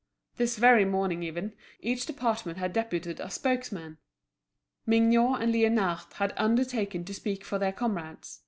This very morning even, each department had deputed a spokesman. Mignot and Liénard had undertaken to speak for their comrades.